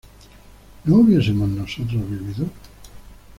¿no hubiésemos nosotros vivido?